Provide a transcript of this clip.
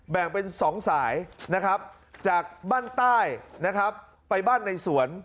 แบ่งเป็น๒สายนะครับจากบ้านใต้นะครับไปบ้านในสวน